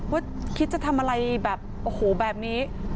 ว่าคิดจะทำอะไรแบบโอ้โหแบบนี้